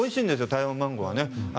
台湾マンゴーはね。